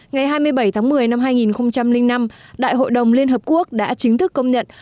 ngày hai mươi bảy tháng một mươi năm hai nghìn năm đại hội đồng liên hợp quốc đã chính thức công nhận